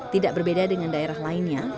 tidak berbeda dengan daerah lainnya